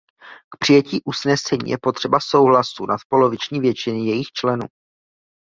K přijetí usnesení je potřeba souhlasu nadpoloviční většiny jejích členů.